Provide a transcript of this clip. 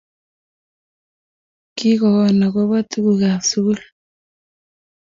kikoon akobo tugukab sukul